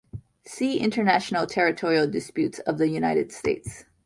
See International territorial disputes of the United States.